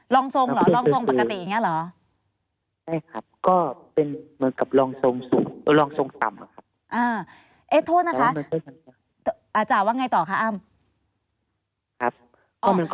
รองทรงเหรอรองทรงปกติอย่างนี้เหรอครับ